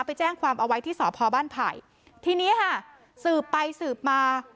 ไปแจ้งความเอาไว้ที่สพบ้านไผ่ทีนี้ค่ะสืบไปสืบมา